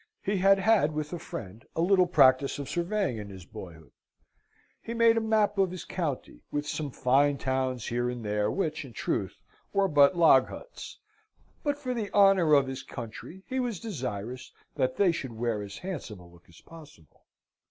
He had had with a friend a little practice of surveying in his boyhood. He made a map of his county, with some fine towns here and there, which, in truth, were but log huts (but, for the honour of his country, he was desirous that they should wear as handsome a look as possible).